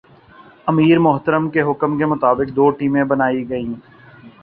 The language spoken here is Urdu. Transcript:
امیر محترم کے حکم کے مطابق دو ٹیمیں بنائی گئیں ۔